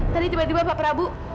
tadi tiba tiba pak prabu